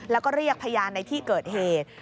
แล้วก็เรียกพยานในที่เกิดเหตุ